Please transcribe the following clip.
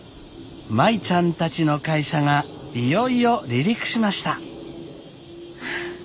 舞ちゃんたちの会社がいよいよ離陸しました。